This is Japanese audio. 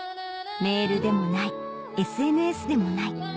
メールでもないＳＮＳでもない